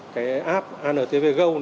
cái app antv go